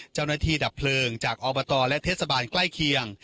เจ้าหน้าที่ดับเพลิงจากออบตและเทศบาลใกล้เคียง